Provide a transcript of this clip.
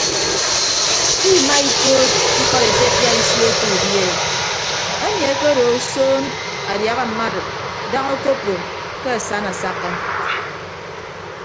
Imaa ekood ikọd etefia isio ke udi e emi akedo osoon adiaha mma arid daña okoppo ke asana asakka.